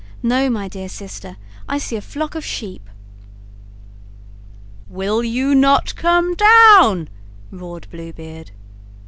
no, my dear sister, I see a flock of sheep." "Will you not come down?' roared Blue Beard.